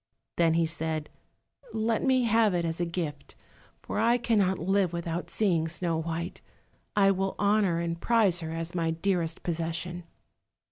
Then he said, "Let me have it as a gift, for I cannot live without seeing Snow white. I will honour and prize her as my dearest possession."